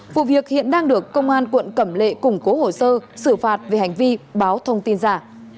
vụ việc hiện đang được công an quận cẩm lệ củng cố hồ sơ xử phạt về hành vi báo thông tin giả